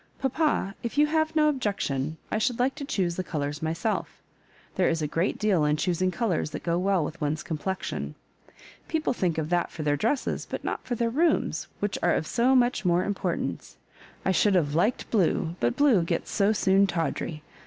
Papa, if you have no objection, I should like to choose the colours myself. There is a great deal in choosing colours that go well with one's complexion. People think of that for their dresses, but not for their rooms, which are of so much more importance. I should have liked blue, but blue gets so soon tawdry.